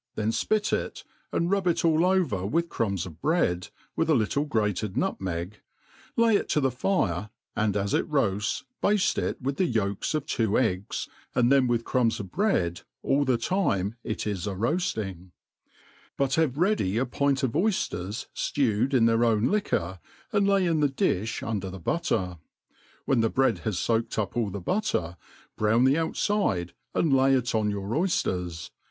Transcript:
then fpit it, and rub it all over with crumbs of bread, with a little grated nutmeg, lay it to the ^iire, and as it roafls, bade it with the yolka of two eggs, and thert with crumbs of bread all the time it is a roafting \ but have ready a pint of oyfiers ftewed in their own liquor, and lay in the di(h under the butter ; when the bread ha^foaked up all the butter^ brown the outfide, and lay it 00 your oyfters.